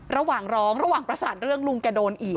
ระหว่างร้องระหว่างประสานเรื่องลุงแกโดนอีก